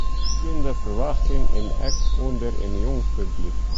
Tsjin de ferwachting yn ek ûnder in jong publyk.